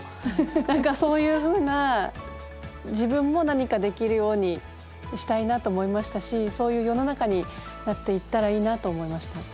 何かそういうふうな自分も何かできるようにしたいなと思いましたしそういう世の中になっていったらいいなと思いました。